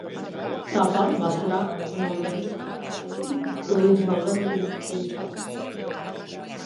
Tāpat vasara un rudens līdz novembrim bij sausi.